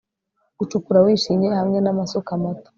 gucukura wishimye, hamwe n'amasuka mato